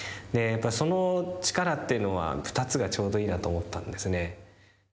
その力っていうのは２つがちょうどいいなと思ったんですね。